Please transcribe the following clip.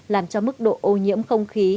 làm cho mức độ ô nhiễm không khí